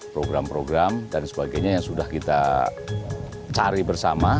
program program dan sebagainya yang sudah kita cari bersama